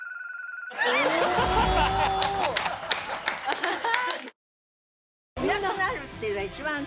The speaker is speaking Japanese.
アハハ！